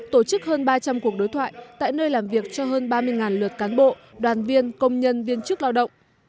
tổ chức hơn ba trăm linh cuộc đối thoại tại nơi làm việc cho hơn ba mươi lượt cán bộ đoàn viên công nhân viên chức lao động